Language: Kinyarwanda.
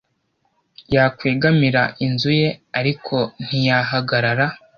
yakwegamira inzu ye ariko ntiyahagarara .